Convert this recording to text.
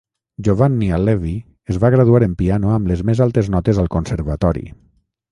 Giovanni Allevi es va graduar en piano amb les més altes notes al Conservatori.